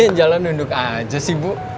lagi jalan duduk aja sih bu